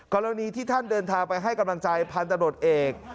กรณีที่ท่านเดินทางไปให้กำลังใจพันธบทเอก